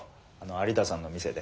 有田さんの店で。